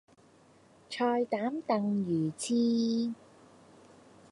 菜膽燉魚翅